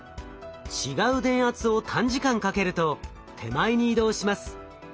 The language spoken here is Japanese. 違う電圧を短時間かけると手前に移動します。